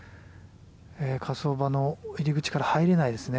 火葬場の入り口から入れないですね。